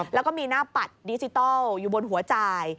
แล้วก็มีหน้าปัดดิจิทัลอยู่บนหัวจ่าย